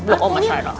peluk oma sarah